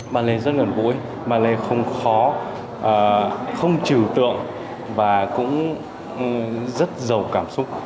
ballet rất gần vũi ballet không khó không trừ tượng và cũng rất giàu cảm xúc